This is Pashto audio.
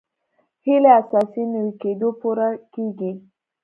هیلې اساسي نوي کېدو پوره کېږي.